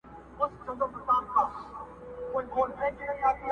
ته په څه منډي وهې موړ يې له ځانه؛